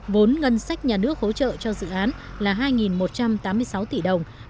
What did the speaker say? vốn ngân sách nhà nước hỗ trợ cho dự án là hai một trăm tám mươi sáu tỷ đồng